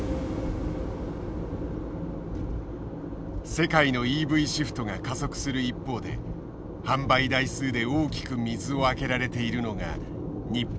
世界のＥＶシフトが加速する一方で販売台数で大きく水をあけられているのが日本だ。